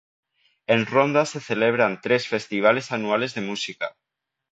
En Ronda se celebran tres festivales anuales de música.